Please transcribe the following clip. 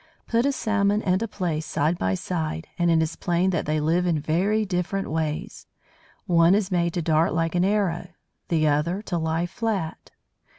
Put a Salmon and a Plaice side by side, and it is plain that they live in very different ways. One is made to dart like an arrow, the other to lie flat.